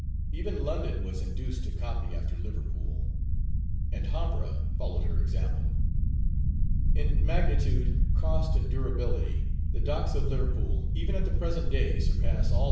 Even London was induced to copy after Liverpool, and Havre followed her example. In magnitude, cost, and durability, the docks of Liverpool, even at the present day surpass all others in the world.